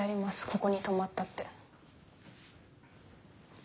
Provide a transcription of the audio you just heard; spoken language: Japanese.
ここに泊まったって。